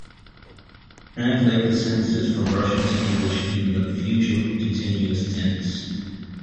Translate the sentences from Russian to English in the Future Continuous Tense.